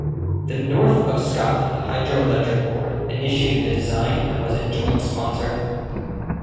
The North of Scotland Hydro-Electric Board initiated the design and was a joint sponsor.